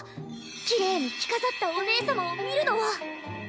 きれいに着飾ったお姉様を見るのを。